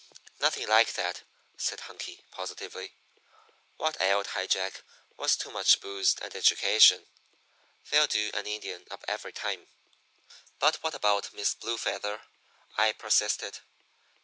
"Nothing like that," said Hunky, positively. "What ailed High Jack was too much booze and education. They'll do an Indian up every time." "But what about Miss Blue Feather?" I persisted.